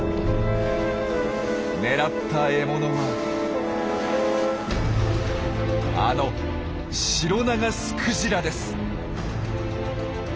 狙った獲物はあのシロナガスクジラです！